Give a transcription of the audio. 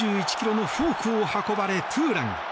１４１ｋｍのフォークを運ばれツーラン。